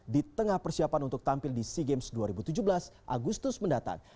di tengah persiapan untuk tampil di sea games dua ribu tujuh belas agustus mendatang